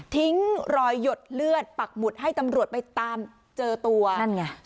รอยหยดเลือดปักหมุดให้ตำรวจไปตามเจอตัวนั่นไง